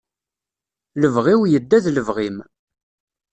Lebɣi-w yedda d lebɣi-m.